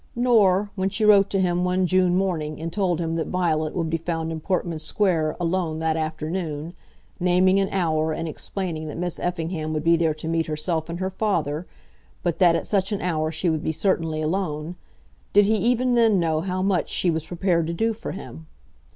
Nor, when she wrote to him one June morning and told him that Violet would be found in Portman Square, alone, that afternoon, naming an hour, and explaining that Miss Effingham would be there to meet herself and her father, but that at such an hour she would be certainly alone, did he even then know how much she was prepared to do for him.